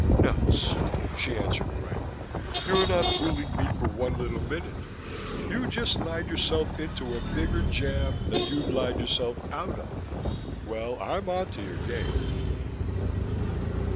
"Nuts!" she answered brightly. "You're not fooling me for one little minute. You've just lied yourself into a bigger jam than you've lied yourself out of. Well, I'm on to your game."